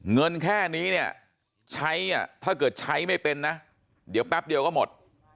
เงินแค่นี้เนี่ยใช้ถ้าเกิดใช้ไม่เป็นนะเดี๋ยวแป๊บเดียวก็หมด